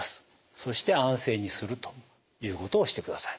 そして安静にするということをしてください。